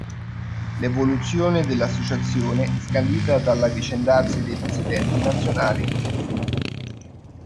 L'evoluzione dell'Associazione scandita dall'avvicendarsi dei Presidenti Nazionali.